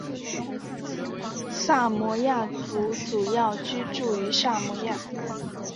萨摩亚族主要居住于萨摩亚。